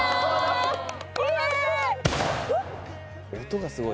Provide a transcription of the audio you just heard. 音がすごい。